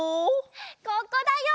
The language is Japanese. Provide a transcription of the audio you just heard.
ここだよ！